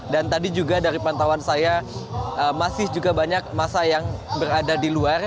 dan tadi juga dari pantauan saya masih juga banyak masa yang berada di luar